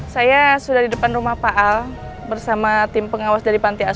saya sudah di depan rumah pak al bersama tim pengawas dari panti asuhan